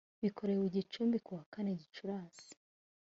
bikorewe i gicumbi kuwa kane gicurasi.